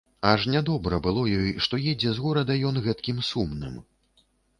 Аж нядобра было ёй, што едзе з горада ён гэткім сумным.